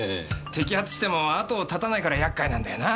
摘発しても後を絶たないからやっかいなんだよな。